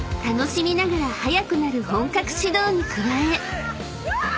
［楽しみながら速くなる本格指導に加え］